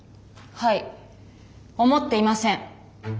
はい思っていません。